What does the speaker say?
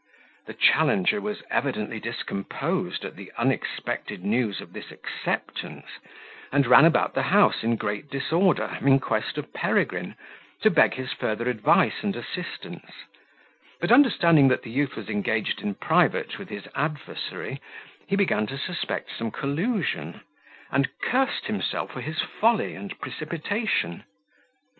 The challenger was evidently discomposed at the unexpected news of this acceptance, and ran about the house in great disorder, in quest of Peregrine, to beg his further advice and assistance; but understanding that the youth was engaged in private with his adversary, he began to suspect some collusion, and cursed himself for his folly and precipitation.